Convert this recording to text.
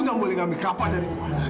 lu gak boleh ngambil kaka dari gue